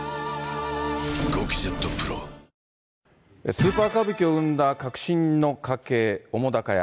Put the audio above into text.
スーパー歌舞伎を生んだ革新の家系、澤瀉屋。